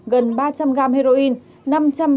gần ba trăm linh gram heroin năm trăm ba mươi ba